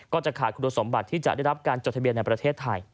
ก็จะขาดคุณสมบัติที่จะได้รับการจดทะเบียนในประเทศไทย